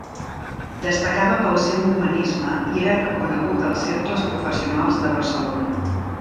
Destacava pel seu humanisme i era reconegut als cercles professionals de Barcelona.